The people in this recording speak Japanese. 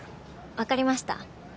わかりました。